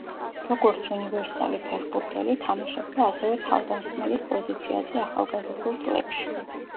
როგორც უნივერსალი ფეხბურთელი, თამაშობდა ასევე თავდამსხმელის პოზიციაზე ახალგაზრდულ წლებში.